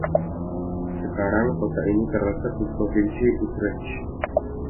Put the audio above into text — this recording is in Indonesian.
Sekarang kota ini terletak di provinsi Utrecht.